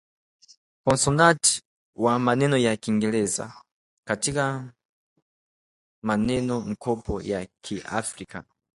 konsonanti wa maneno ya Kiingereza katika maneno-mkopo ya Kiafrika